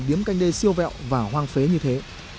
điếm canh đê siêu vẹo và hoang phế như thế